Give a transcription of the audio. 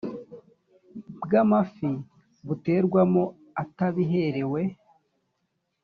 bw amafi buterwamo atabiherewe